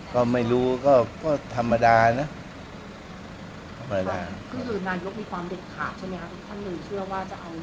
ก็ไม่รู้ก็ก็ธรรมดานะธรรมดานะ